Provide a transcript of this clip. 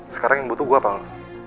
sekarang yang butuh gue apa enggak